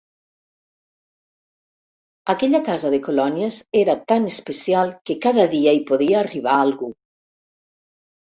Aquella casa de colònies era tan especial que cada dia hi podia arribar algú.